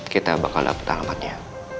kita bakal dapet alamatnya